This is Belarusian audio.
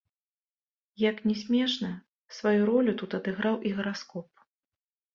Як ні смешна, сваю ролю тут адыграў і гараскоп.